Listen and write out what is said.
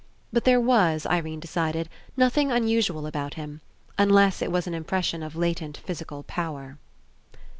But there was, Irene decided, nothing unusual about him, unless it was an Impression of latent physical power.